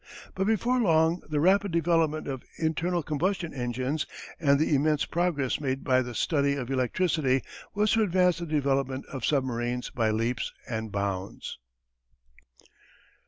But before long the rapid development of internal combustion engines and the immense progress made in the study of electricity was to advance the development of submarines by leaps and bounds.